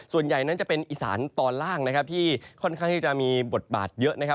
ส่วนใหญ่นั้นจะเป็นอีสานตอนล่างนะครับที่ค่อนข้างที่จะมีบทบาทเยอะนะครับ